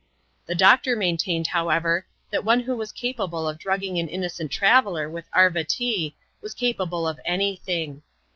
The doctor maintained, however, that one who was capable of drugging an innocent traveller with " Arva Tee" was capable of any thing.